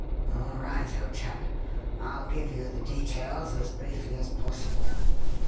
"All right, old chap, I'll give you the details as briefly as possible.